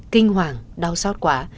kinh hoàng đau xót quá